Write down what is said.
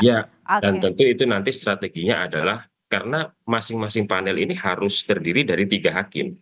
ya dan tentu itu nanti strateginya adalah karena masing masing panel ini harus terdiri dari tiga hakim